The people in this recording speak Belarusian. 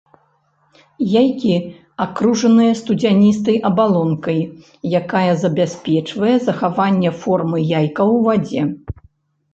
Яйкі акружаныя студзяністай абалонкай, якая забяспечвае захаванне формы яйка ў вадзе.